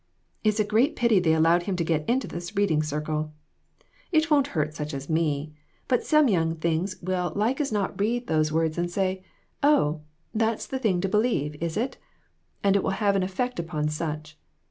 It's a great pity they allowed him to get into this reading circle. It won't hurt such as me, but some young things will like as 26O WITHOUT ARE DOGS. not read those words and say 'Oh, that's the thing to believe, is it ?' And it will have an effect upon such.